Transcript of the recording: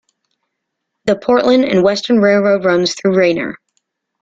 The Portland and Western Railroad runs through Rainier.